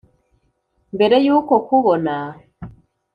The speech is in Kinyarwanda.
mbere y’uko kubona